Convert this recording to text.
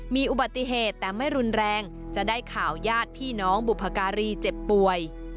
มีอุบัติเหตุแต่ไม่รุนแรงจะได้ข่าวญาติพี่น้องบุพการีเจ็บป่วย